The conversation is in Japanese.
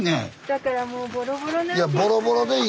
だからもうボロボロなんです。